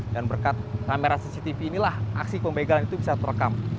dan berkat kamera cctv inilah aksi pembegalan itu bisa terekam